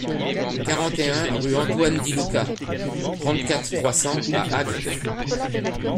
quarante et un rue Antoine Di-Luca, trente-quatre, trois cents à Agde